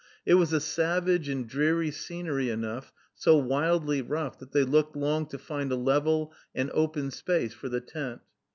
It was a savage and dreary scenery enough, so wildly rough, that they looked long to find a level and open space for the tent.